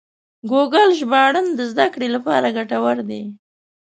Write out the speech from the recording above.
ګوګل ژباړن د زده کړې لپاره ګټور دی.